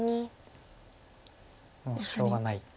もうしょうがないという。